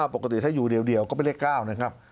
ปกติถ้าอยู่เดียวก็ไม่ได้๙นะครับ